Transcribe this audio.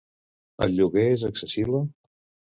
El lloguer és accessible?